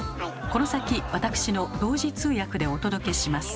この先わたくしの同時通訳でお届けします。